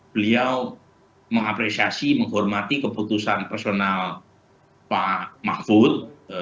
beliau mengapresiasi menghormati keputusan personal pak mahfud